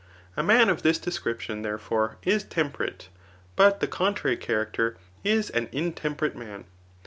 ^ A man of this description, therefore, is temperate, but the contrary character is an intemperate man.